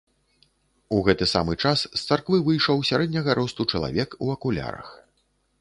У гэты самы час з царквы выйшаў сярэдняга росту чалавек у акулярах.